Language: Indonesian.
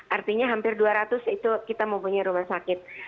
artinya hampir dua ratus itu kita mempunyai rumah sakit